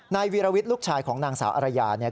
วีรวิทย์ลูกชายของนางสาวอรยาเนี่ย